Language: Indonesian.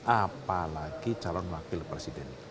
apalagi calon wakil presiden